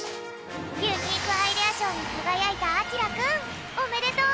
ユニークアイデアしょうにかがやいたあきらくんおめでとう！